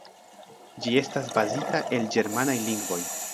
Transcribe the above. Ĝi estas bazita el ĝermanaj lingvoj.